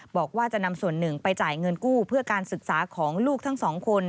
บอกว่าจะนำส่วนหนึ่งไปจ่ายเงินกู้เพื่อการศึกษาของลูกทั้งสองคน